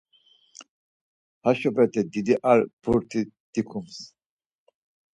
Haşopete didi ar burti dikums.